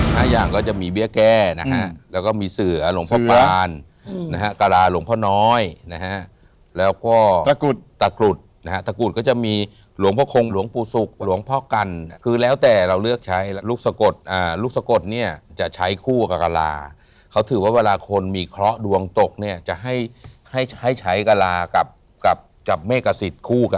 อย่างก็จะมีเบี้ยแก้นะฮะแล้วก็มีเสือหลวงพ่อปานนะฮะกะลาหลวงพ่อน้อยนะฮะแล้วก็ตะกรุดตะกรุดนะฮะตะกรุดก็จะมีหลวงพ่อคงหลวงปู่ศุกร์หลวงพ่อกันคือแล้วแต่เราเลือกใช้ลูกสะกดอ่าลูกสะกดเนี่ยจะใช้คู่กับกะลาเขาถือว่าเวลาคนมีเคราะห์ดวงตกเนี่ยจะให้ให้ใช้กะลากับกับเมกสิทธิ